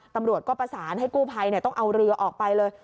ตำรวจก็ประสานให้กู้ภัยต้องเอาเรือออกไปเลย